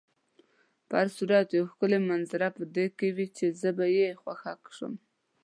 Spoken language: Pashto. په هر صورت یوه ښکلې منظره به وي چې زما به یې خوښه شي.